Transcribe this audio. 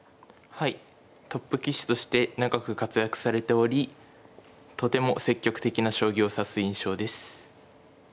はいトップ棋士として長く活躍されておりとても積極的な将棋を指す印象です。